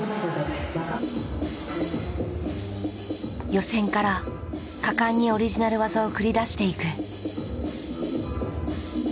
予選から果敢にオリジナル技を繰り出していく。